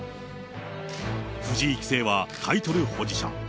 藤井棋聖はタイトル保持者。